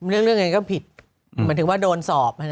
เรื่องอะไรก็ผิดหมายถึงว่าโดนสอบ